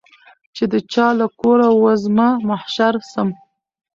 چي د چا له کوره وزمه محشر سم